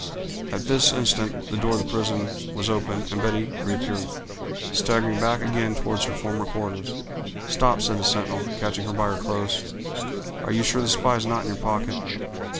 At this instant the door of the prison was opened, and Betty reappeared, staggering back again toward her former quarters. "Stop," said the sentinel, catching her by her clothes; "are you sure the spy is not in your pocket?"